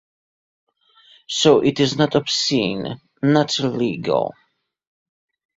So it is not obscene - not illegal.